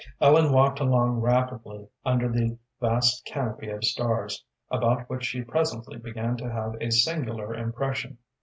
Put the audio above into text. Ellen walked along rapidly under the vast canopy of stars, about which she presently began to have a singular impression.